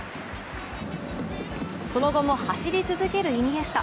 その後も走り続けるイニエスタ。